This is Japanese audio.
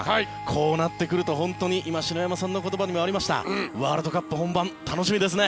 こうなってくると今、篠山さんの言葉にもありましたワールドカップ本番楽しみですね。